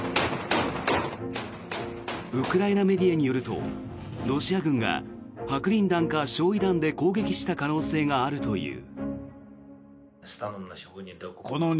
ウクライナメディアによるとロシア軍が白リン弾か焼い弾で攻撃した可能性があるという。